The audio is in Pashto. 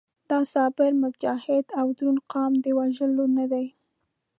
دا صابر، مجاهد او دروند قام د وژلو نه دی.